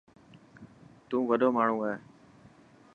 تون وڏو ماڻهو هي.